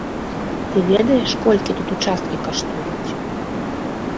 Ты ведаеш, колькі тут участкі каштуюць?